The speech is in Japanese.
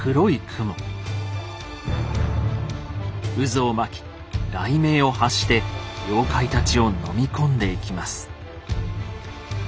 渦を巻き雷鳴を発して妖怪たちをのみ込んでいきます。